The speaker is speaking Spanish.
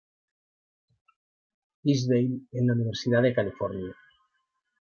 Tisdale en la Universidad de California.